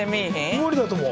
無理だと思う。